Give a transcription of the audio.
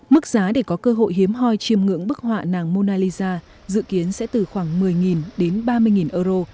mức giá để có cơ hội hiếm hoi chiêm ngưỡng bức họa nàng monaliza dự kiến sẽ từ khoảng một mươi đến ba mươi euro